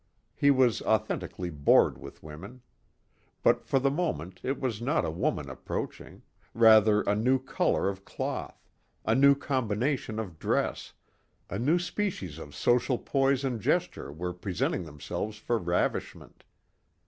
He was authentically bored with women. But for the moment it was not a woman approaching rather a new color of cloth, a new combination of dress, a new species of social poise and gesture were presenting themselves for ravishment.